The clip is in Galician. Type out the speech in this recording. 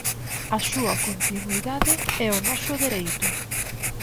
A súa continuidade é o noso dereito.